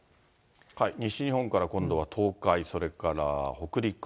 西日本から今度は東海、それから北陸。